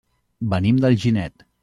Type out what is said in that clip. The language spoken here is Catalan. Venim d'Alginet.